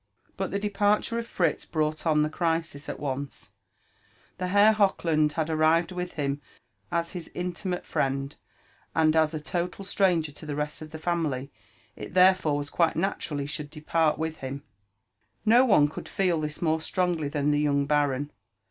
But the departure of Fritz brought on the crisis at once. The Herr Hochland had arrived with him as his intimate friend, and as a total stranger to the rest of the family, it therefore was quite natural he should depart with him. JONATHAN JEFFERSON WHITLAW. d69 No one could feel this more strongly than the young baron.